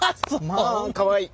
まあかわいい。